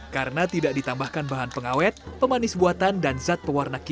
karena tidak ditambahkan bahan pengawet pemanis buatan dan zat pewarna kimia